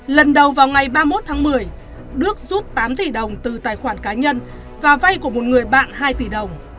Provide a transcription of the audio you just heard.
lần đầu vào ngày ba mươi một tháng một mươi đức rút tám tỷ đồng từ tài khoản cá nhân và vay của một người bạn hai tỷ đồng